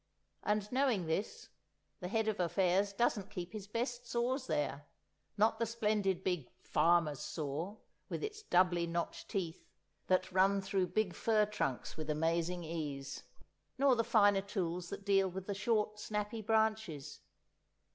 And knowing this, the Head of Affairs doesn't keep his best saws there!—not the splendid big "Farmer's Saw," with its doubly notched teeth, that run through big fir trunks with amazing ease; nor the finer tools that deal with the short snappy branches.